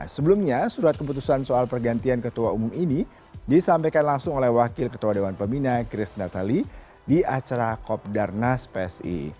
sebelumnya surat keputusan soal pergantian ketua umum ini disampaikan langsung oleh wakil ketua dewan pemina chris natali di acara kopdarnas psi